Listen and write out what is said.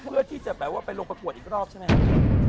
เพื่อที่จะแบบว่าไปลงประกวดอีกรอบใช่ไหมครับ